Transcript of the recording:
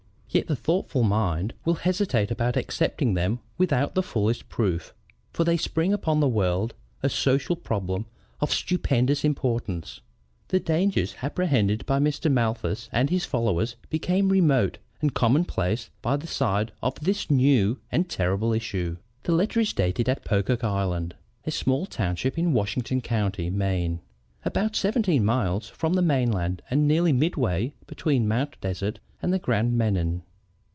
Yet the thoughtful mind will hesitate about accepting them without the fullest proof, for they spring upon the world a social problem of stupendous importance. The dangers apprehended by Mr. Malthus and his followers become remote and commonplace by the side of this new and terrible issue. The letter is dated at Pocock Island, a small township in Washington County, Maine, about seventeen miles from the mainland and nearly midway between Mt. Desert and the Grand Menan.